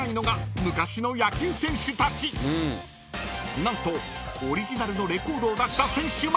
［何とオリジナルのレコードを出した選手まで］